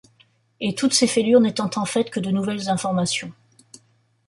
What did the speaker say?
Et toutes ces fêlures n’étant en fait que de nouvelles informations.